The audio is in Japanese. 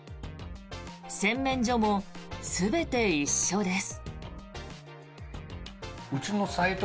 洗面所も全て一緒です。